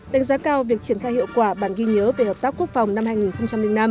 đánh giá cao việc triển khai hiệu quả bản ghi nhớ về hợp tác quốc phòng năm hai nghìn năm